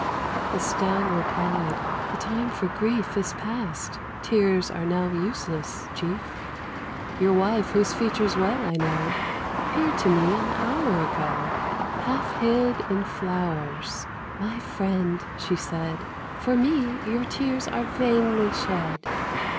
The Stag replied, "The time for grief Is passed; tears now are useless, Chief. Your wife, whose features well I know, Appeared to me an hour ago, Half hid in flowers. 'My friend,' she said, 'For me your tears are vainly shed.